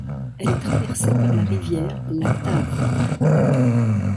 Elle est traversée par la rivière la Tave.